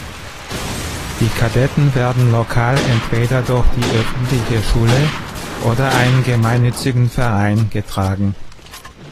Die Kadetten werden lokal entweder durch die öffentliche Schule oder einen gemeinnützigen Verein getragen.